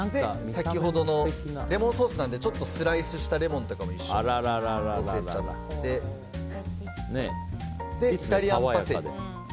レモンソースなのでスライスしたレモンも一緒にのせちゃってイタリアンパセリを。